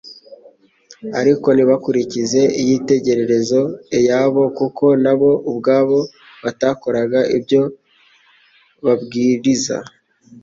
ariko ntibakurikize ieyitegererezo eyabo, kuko na bo ubwabo batakoraga ibyo babwiriza.